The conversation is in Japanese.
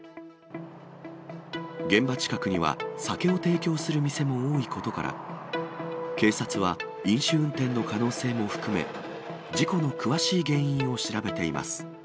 現場近くには酒を提供する店も多いことから、警察は飲酒運転の可能性も含め、事故の詳しい原因を調べています。